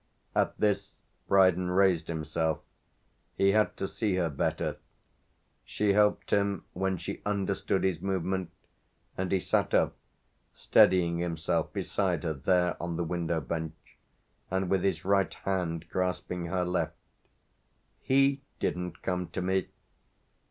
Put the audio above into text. At this Brydon raised himself; he had to see her better. She helped him when she understood his movement, and he sat up, steadying himself beside her there on the window bench and with his right hand grasping her left. "He didn't come to me."